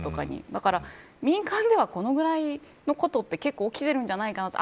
だから、民間ではこのくらいのことって結構起きてるんじゃないかなって。